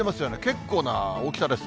結構な大きさです。